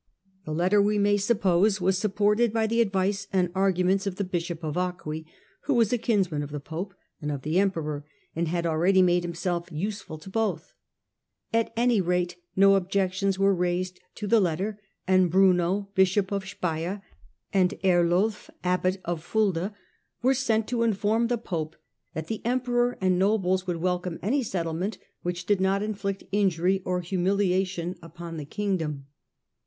The letter, we may suppose, was supported by the advice and arguments of the bishop of Acqui, who was a kinsman of the pope and of the emperor, and had already made himself useful to both. At any rate, no objections were raised to the letter, and Bruno, bishop of Speier, and Erlulf, abbot of Fulda, were sent to inform the pope that the emperor and nobles would welcome any settlement which did not inflict injury or humiliation upon the kingdom.